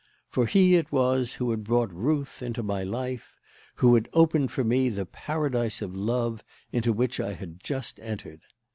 For he it was who had brought Ruth into my life; who had opened for me the Paradise of Love into which I had just entered.